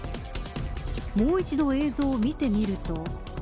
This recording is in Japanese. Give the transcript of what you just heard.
もう一度、映像を見てみると。